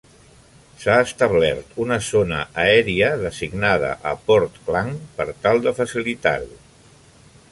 S'ha establert una zona aèria designada a Port Klang per tal de facilitar-ho.